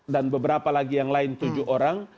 dan beberapa lagi yang lain tujuh orang